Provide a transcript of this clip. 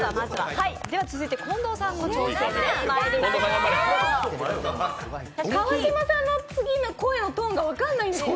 続いて近藤さんの挑戦です。